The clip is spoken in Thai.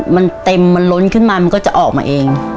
มันเต็มมันล้นขึ้นมามันก็จะออกมาเอง